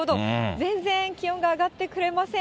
全然気温が上がってくれません。